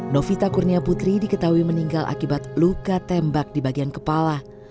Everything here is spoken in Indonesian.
novita kurnia putri diketahui meninggal akibat luka tembak di bagian kepala